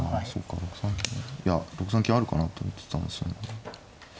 いや６三金あるかなと思ってたんですよね。